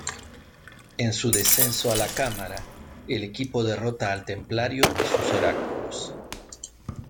En su descenso a la Cámara, el equipo derrota al Templario y sus Oráculos.